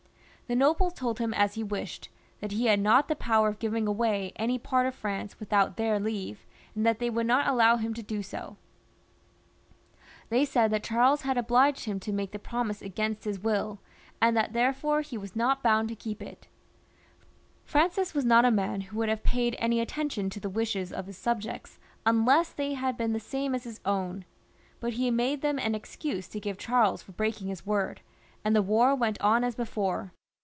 The nobles told him as he wished, that he had not the power of giving away any part of France without their leave, and that they would not allow him to do so. They said that Charles had obliged him to make the promise against his will, and that therefore he was not bound to keep it Francis was not a man who would have paid any attention to the wishes of his subjects imless they had been the same as his own ; but he made them an excuse to give Charles for breaking his word, and the war went on as before.